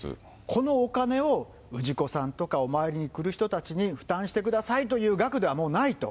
このお金を氏子さんとかお参りに来る人たちに負担してくださいという額ではもうないと。